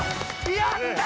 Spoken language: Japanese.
やったわ！